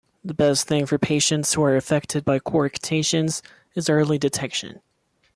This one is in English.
The best thing for patients who are affected by coarctations is early detection.